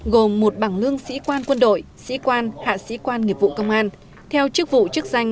gồm một bảng lương sĩ quan quân đội sĩ quan hạ sĩ quan nghiệp vụ công an theo chức vụ chức danh